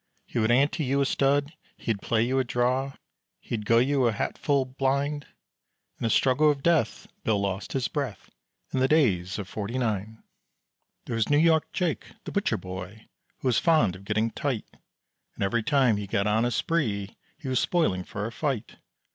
He would ante you a stud, he would play you a draw, He'd go you a hatful blind, In a struggle with death Bill lost his breath In the days of Forty Nine. There was New York Jake, the butcher boy, Who was fond of getting tight. And every time he got on a spree He was spoiling for a fight.